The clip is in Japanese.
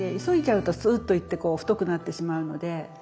急いじゃうとスーッと行って太くなってしまうので。